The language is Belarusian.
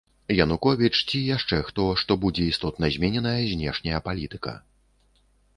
Януковіч, ці яшчэ хто, што будзе істотна змененая знешняя палітыка.